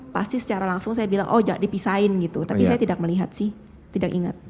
pasti secara langsung saya bilang oh jangan dipisahin gitu tapi saya tidak melihat sih tidak ingat